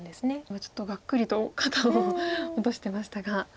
今ちょっとがっくりと肩を落としてましたが。